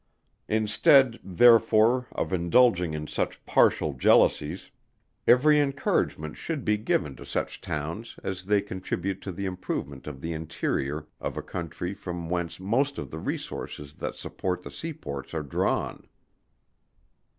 Instead, therefore, of indulging in such partial jealousies, every encouragement should be given to such towns, as they contribute to the improvement of the interior of a country from whence most of the resources that support the sea ports are drawn.